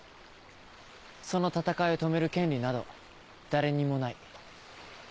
その戦いを止める権利など誰にもない。